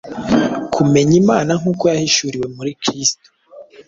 Kumenya Imana nk’uko yahishuriwe muri Kristo